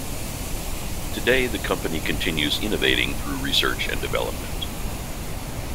Today, the company continues innovating through research and development.